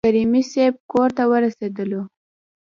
کریمي صیب کورته ورسېدلو.